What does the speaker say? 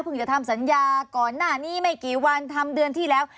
จะทำสัญญาก่อนหน้านี้ไม่กี่วันทำเดือนที่แล้ว